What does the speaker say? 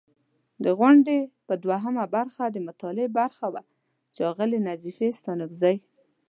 د غونډې په دوهمه برخه، د مطالعې برخه وه چې اغلې نظیفې ستانکزۍ